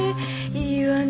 いいわね